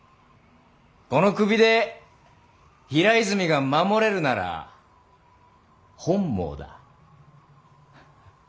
この首で平泉が守れるなら本望だ。